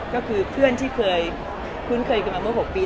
ก็คือเพื่อนที่เคยคุ้นเคยกันมาเมื่อ๖ปี